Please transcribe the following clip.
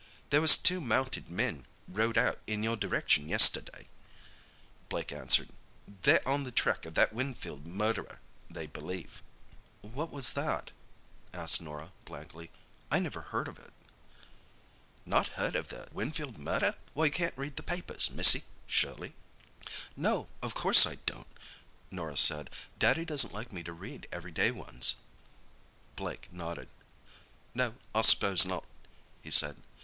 "There was two mounted men rode out in your direction yesterday," Blake answered. "They're on the track of that Winfield murderer, they believe." "What was that?" asked Norah blankly. "I never heard of it." "Not heard of the Winfield murder! Why, you can't read the papers, missy, surely?" "No; of course I don't," Norah said. "Daddy doesn't like me to read everyday ones." Blake nodded. "No, I s'pose not," he said.